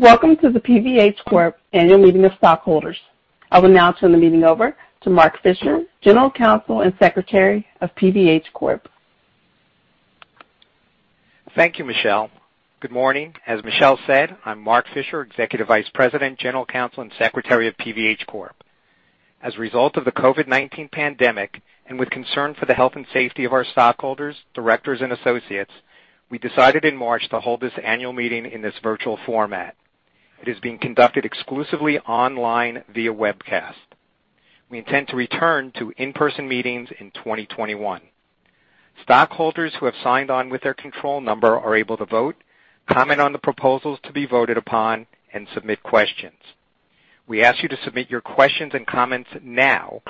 Welcome to the PVH Corp Annual Meeting of Stockholders. I'll now turn the meeting over to Mark Fischer, General Counsel and Secretary of PVH Corp. Thank you, Michelle. Good morning. As Michelle said, I'm Mark Fischer, Executive Vice President, General Counsel, and Secretary of PVH Corp. As a result of the COVID-19 pandemic, and with concern for the health and safety of our stockholders, directors, and associates, we decided in March to hold this annual meeting in this virtual format. It is being conducted exclusively online via webcast. We intend to return to in-person meetings in 2021. Stockholders who have signed on with their control number are able to vote, comment on the proposals to be voted upon, and submit questions. We ask you to submit your questions and comments now,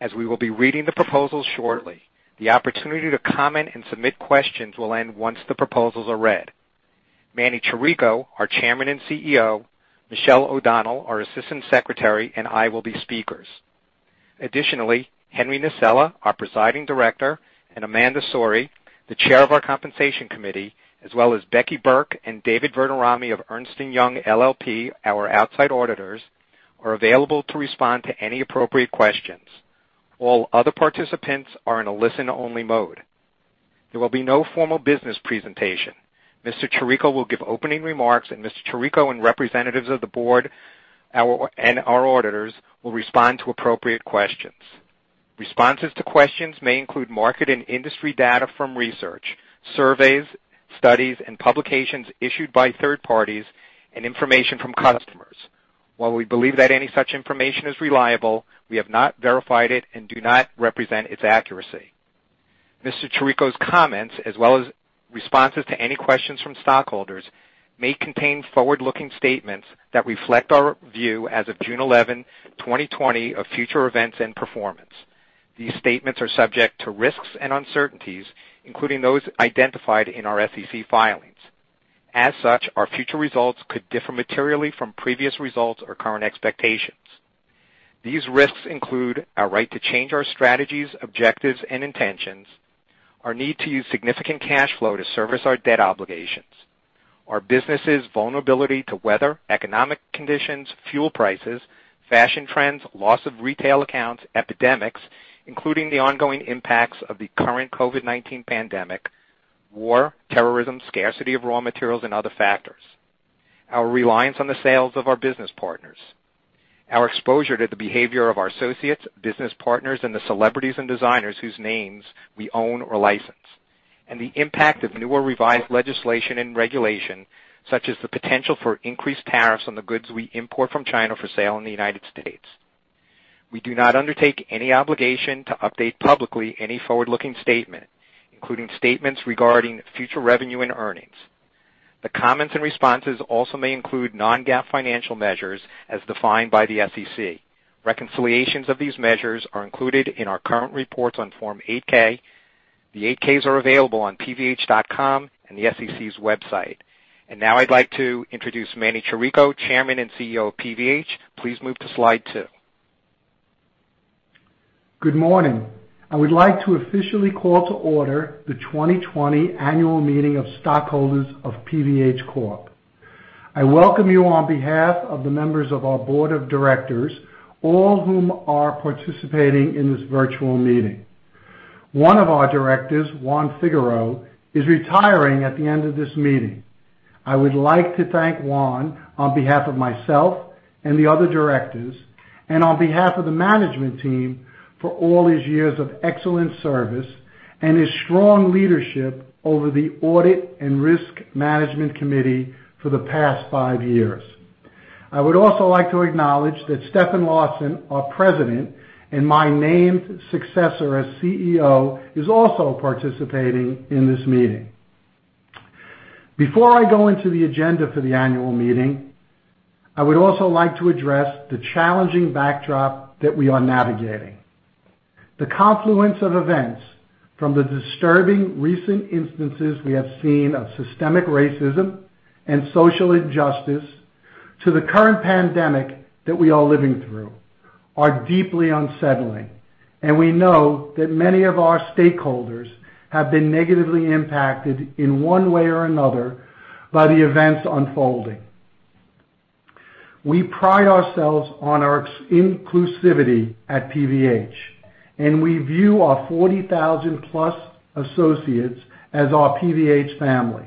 as we will be reading the proposals shortly. The opportunity to comment and submit questions will end once the proposals are read. Emanuel Chirico, our Chairman and CEO, Michelle O'Donnell, our Assistant Secretary, and I will be speakers. Additionally, Henry Nasella, our Presiding Director, and Amanda Sourry, the Chair of our Compensation Committee, as well as Becky Burke and David Vernarami of Ernst and Young LLP, our outside auditors, are available to respond to any appropriate questions. All other participants are in a listen-only mode. There will be no formal business presentation. Mr. Chirico will give opening remarks, and Mr. Chirico and representatives of the Board and our auditors will respond to appropriate questions. Responses to questions may include market and industry data from research, surveys, studies, and publications issued by third parties, and information from customers. While we believe that any such information is reliable, we have not verified it and do not represent its accuracy. Mr. Chirico's comments, as well as responses to any questions from stockholders, may contain forward-looking statements that reflect our view as of June 11, 2020, of future events and performance. These statements are subject to risks and uncertainties, including those identified in our SEC filings. As such, our future results could differ materially from previous results or current expectations. These risks include our right to change our strategies, objectives, and intentions, our need to use significant cash flow to service our debt obligations, our business' vulnerability to weather, economic conditions, fuel prices, fashion trends, loss of retail accounts, epidemics, including the ongoing impacts of the current COVID-19 pandemic, war, terrorism, scarcity of raw materials, and other factors, our reliance on the sales of our business partners, our exposure to the behavior of our associates, business partners, and the celebrities and designers whose names we own or license, and the impact of new or revised legislation and regulation, such as the potential for increased tariffs on the goods we import from China for sale in the United States. We do not undertake any obligation to update publicly any forward-looking statement, including statements regarding future revenue and earnings. The comments and responses also may include non-GAAP financial measures as defined by the SEC. Reconciliations of these measures are included in our current reports on Form 8-K. The 8-Ks are available on pvh.com and the SEC's website. Now I'd like to introduce Manny Chirico, Chairman and CEO of PVH. Please move to slide two. Good morning. I would like to officially call to order the 2020 Annual Meeting of Stockholders of PVH Corp. I welcome you on behalf of the members of our board of directors, all of whom are participating in this virtual meeting. One of our directors, Juan Figuereo, is retiring at the end of this meeting. I would like to thank Juan on behalf of myself and the other directors, and on behalf of the management team, for all his years of excellent service and his strong leadership over the Audit and Risk Management Committee for the past five years. I would also like to acknowledge that Stefan Larsson, our President, and my named successor as CEO, is also participating in this meeting. Before I go into the agenda for the annual meeting, I would also like to address the challenging backdrop that we are navigating. The confluence of events, from the disturbing recent instances we have seen of systemic racism and social injustice to the current pandemic that we are living through, are deeply unsettling. We know that many of our stakeholders have been negatively impacted in one way or another by the events unfolding. We pride ourselves on our inclusivity at PVH, we view our 40,000-plus associates as our PVH family.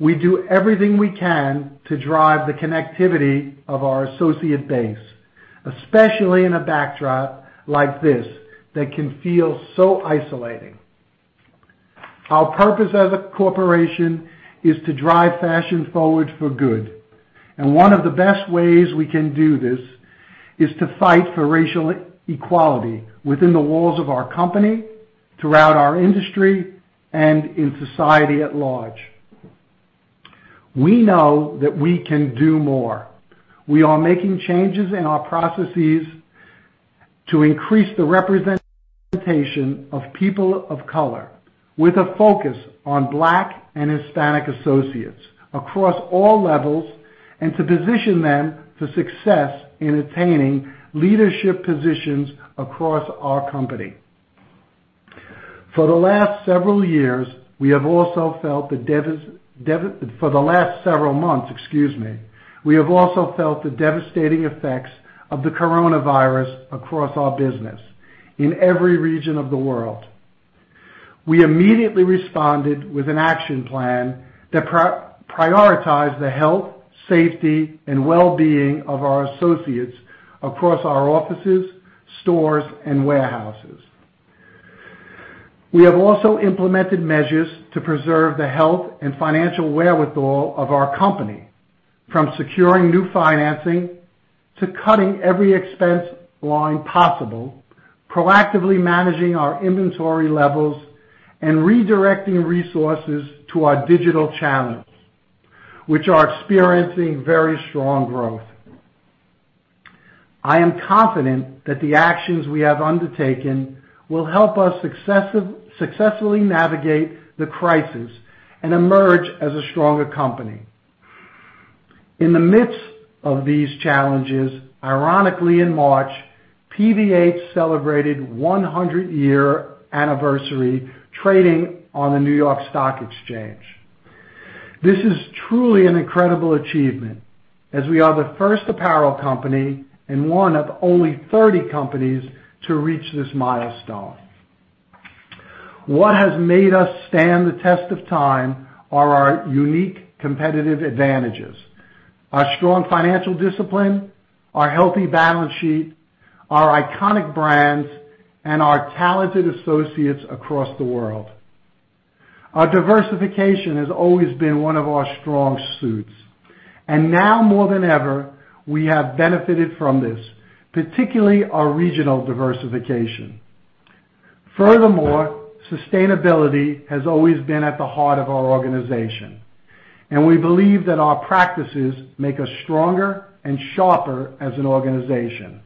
We do everything we can to drive the connectivity of our associate base, especially in a backdrop like this that can feel so isolating. Our purpose as a corporation is to drive fashion forward for good, one of the best ways we can do this is to fight for racial equality within the walls of our company, throughout our industry, and in society at large. We know that we can do more. We are making changes in our processes to increase the representation of people of color with a focus on Black and Hispanic associates across all levels, and to position them for success in attaining leadership positions across our company. For the last several years, we have also felt the deficit-for the last several months. Excuse me-we have also felt the devastating effects of the coronavirus across our business in every region of the world. We immediately responded with an action plan that prioritized the health, safety, and wellbeing of our associates across our offices, stores, and warehouses. We have also implemented measures to preserve the health and financial wherewithal of our company, from securing new financing to cutting every expense line possible, proactively managing our inventory levels, and redirecting resources to our digital channels, which are experiencing very strong growth. I am confident that the actions we have undertaken will help us successfully navigate the crisis and emerge as a stronger company. In the midst of these challenges, ironically, in March, PVH celebrated 100 year anniversary trading on the New York Stock Exchange. This is truly an incredible achievement, as we are the first apparel company and one of only 30 companies to reach this milestone. What has made us stand the test of time are our unique competitive advantages, our strong financial discipline, our healthy balance sheet, our iconic brands, and our talented associates across the world. Our diversification has always been one of our strong suits, and now more than ever, we have benefited from this, particularly our regional diversification. Furthermore, sustainability has always been at the heart of our organization, and we believe that our practices make us stronger and sharper as an organization,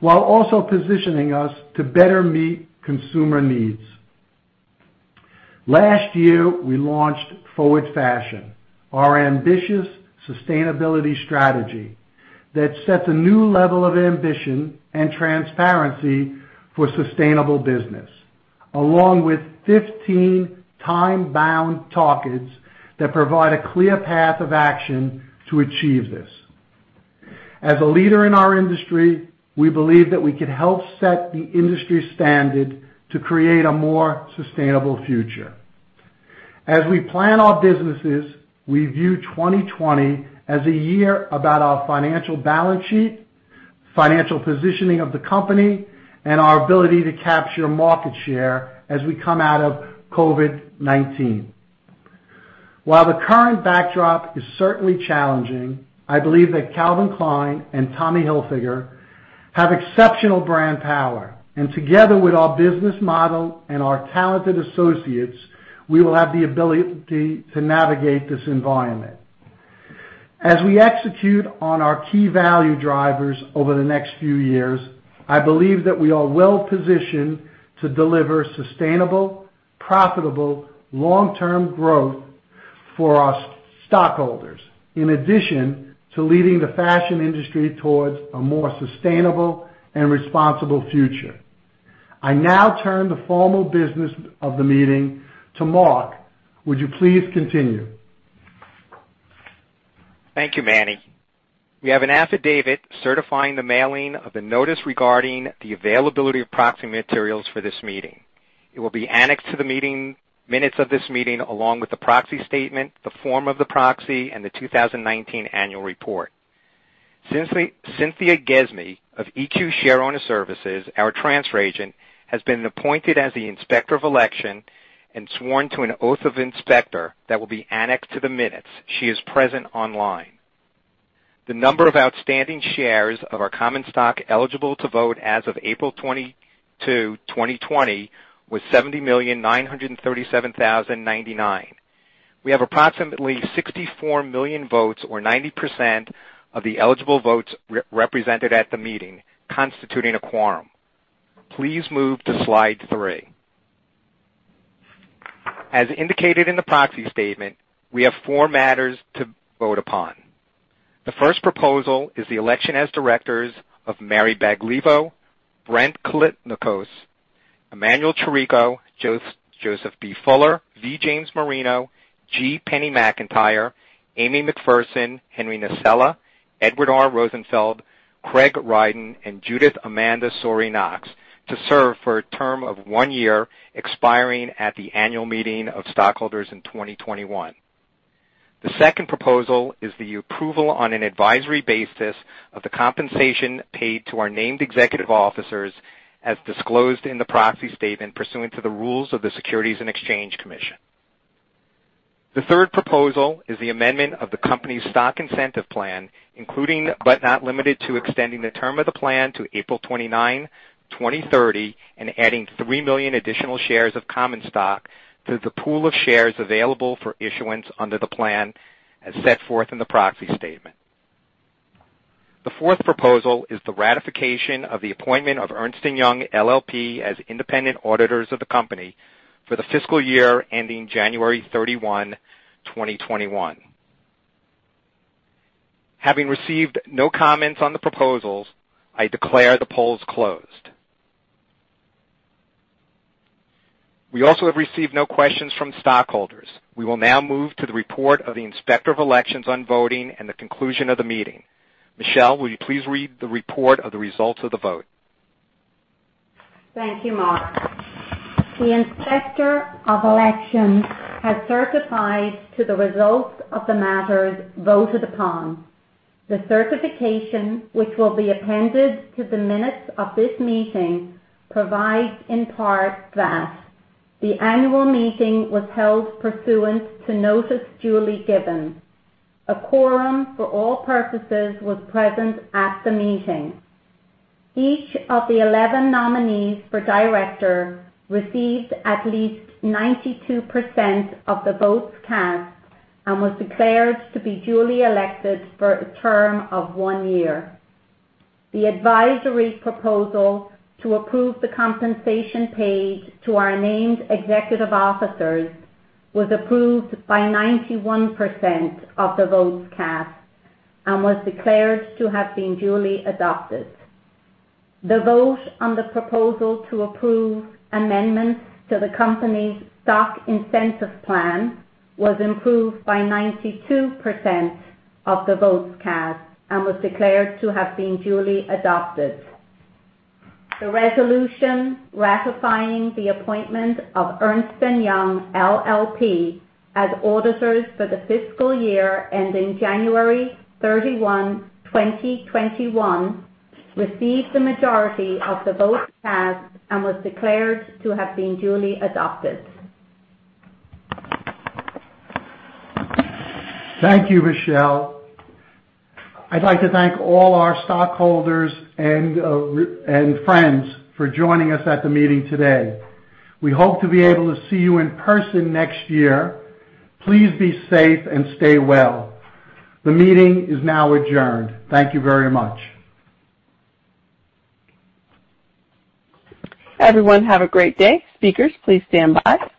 while also positioning us to better meet consumer needs. Last year, we launched Forward Fashion, our ambitious sustainability strategy that sets a new level of ambition and transparency for sustainable business, along with 15 time-bound targets that provide a clear path of action to achieve this. As a leader in our industry, we believe that we could help set the industry standard to create a more sustainable future. As we plan our businesses, we view 2020 as a year about our financial balance sheet, financial positioning of the company, and our ability to capture market share as we come out of COVID-19. While the current backdrop is certainly challenging, I believe that Calvin Klein and Tommy Hilfiger have exceptional brand power, and together with our business model and our talented associates, we will have the ability to navigate this environment. As we execute on our key value drivers over the next few years, I believe that we are well-positioned to deliver sustainable, profitable, long-term growth for our stockholders, in addition to leading the fashion industry towards a more sustainable and responsible future. I now turn the formal business of the meeting to Mark. Would you please continue? Thank you, Emanuel. We have an affidavit certifying the mailing of the notice regarding the availability of proxy materials for this meeting. It will be annexed to the minutes of this meeting, along with the proxy statement, the form of the proxy, and the 2019 annual report. Cynthia Gesme of EQ Shareowner Services, our transfer agent, has been appointed as the Inspector of Election and sworn to an oath of inspector that will be annexed to the minutes. She is present online. The number of outstanding shares of our common stock eligible to vote as of April 22, 2020, was 70,937,099. We have approximately 64 million votes, or 90% of the eligible votes represented at the meeting, constituting a quorum. Please move to slide three. As indicated in the proxy statement, we have four matters to vote upon. The first proposal is the election as directors of Mary Baglivo, Brent Callinicos, Emanuel Chirico, Joseph B. Fuller, V. James Marino, G. Penny McIntyre, Amy McPherson, Henry Nasella, Edward R. Rosenfeld, Craig Rydin, and Judith Amanda Sourry Knox, to serve for a term of one year, expiring at the annual meeting of stockholders in 2021. The second proposal is the approval on an advisory basis of the compensation paid to our named executive officers as disclosed in the proxy statement pursuant to the rules of the Securities and Exchange Commission. The third proposal is the amendment of the company's stock incentive plan, including, but not limited to, extending the term of the plan to April 29, 2030 and adding 3 million additional shares of common stock to the pool of shares available for issuance under the plan as set forth in the proxy statement. The fourth proposal is the ratification of the appointment of Ernst and Young LLP as independent auditors of the company for the fiscal year ending January 31, 2021. Having received no comments on the proposals, I declare the polls closed. We also have received no questions from stockholders. We will now move to the report of the inspector of elections on voting and the conclusion of the meeting. Michelle, will you please read the report of the results of the vote? Thank you, Mark. The inspector of election has certified to the results of the matters voted upon. The certification, which will be appended to the minutes of this meeting, provides in part that the annual meeting was held pursuant to notice duly given. A quorum for all purposes was present at the meeting. Each of the 11 nominees for director received at least 92% of the votes cast and was declared to be duly elected for a term of one year. The advisory proposal to approve the compensation paid to our named executive officers was approved by 91% of the votes cast and was declared to have been duly adopted. The vote on the proposal to approve amendments to the company's stock incentive plan was approved by 92% of the votes cast and was declared to have been duly adopted. The resolution ratifying the appointment of Ernst and Young LLP as auditors for the fiscal year ending January 31, 2021, received the majority of the votes cast and was declared to have been duly adopted. Thank you, Michelle. I'd like to thank all our stockholders and friends for joining us at the meeting today. We hope to be able to see you in person next year. Please be safe and stay well. The meeting is now adjourned. Thank you very much. Everyone, have a great day. Speakers, please stand by.